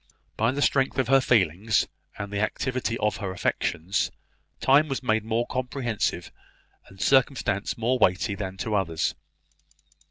By the strength of her feelings, and the activity of her affections, time was made more comprehensive, and circumstance more weighty than to others.